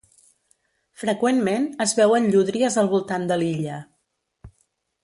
Freqüentment es veuen llúdries al voltant de l'illa.